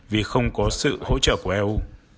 vì không có sự hỗ trợ của eu